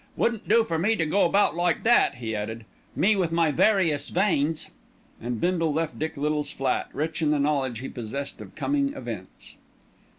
Wouldn't do for me to go about like that," he added, "me with my various veins." And Bindle left Dick Little's flat, rich in the knowledge he possessed of coming events.